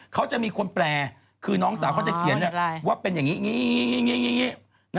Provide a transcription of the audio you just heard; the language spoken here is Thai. เขาจะมีคนแปลคือน้องสาวเขาจะเขียนว่าเป็นอย่างนี้อย่างนี้